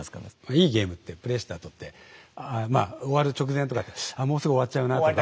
いいゲームってプレイしたあとってあまあ終わる直前とかに「あもうすぐ終わっちゃうなあ」とか。